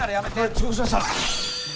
遅刻しました。